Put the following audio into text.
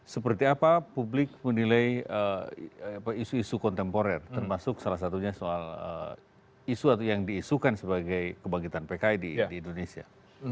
seperti apa publik menilai isu isu kontemporer termasuk salah satunya soal isu atau yang diisukan sebagai kebangkitan pki di indonesia